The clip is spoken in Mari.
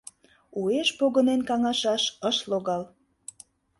Уэш погынен каҥашаш ыш логал...